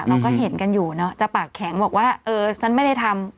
เราก็เห็นกันอยู่เนอะจะปากแข็งบอกว่าเออฉันไม่ได้ทำ